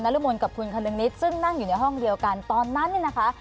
รมนกับคุณคนึงนิดซึ่งนั่งอยู่ในห้องเดียวกันตอนนั้นเนี่ยนะคะ